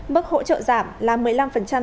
mức hỗ trợ giảm là một mươi năm